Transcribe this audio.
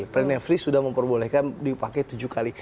pernah free sudah memperbolehkan dipakai tujuh kali